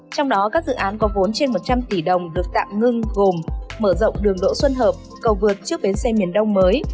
trong đó các dự án có vốn trên một trăm linh tỷ đồng được tạm ngưng gồm mở rộng đường đỗ xuân hợp cầu vượt trước bến xe miền đông mới